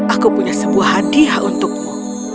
aku punya sebuah hadiah untukmu